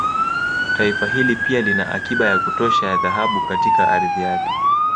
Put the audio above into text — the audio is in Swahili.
Taifa hili pia lina akiba ya kutosha ya Dhahabu katika ardhi yake